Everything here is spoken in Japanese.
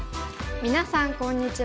みなさんこんにちは。